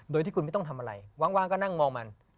โดยที่คุณไม่ต้องทำอะไรวางก็นั่งมองมัน